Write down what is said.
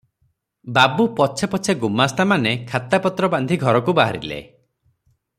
ବାବୁ ପଛେ ପଛେ ଗୁମାସ୍ତାମାନେ ଖାତାପତ୍ର ବାନ୍ଧି ଘରକୁ ବାହାରିଲେ ।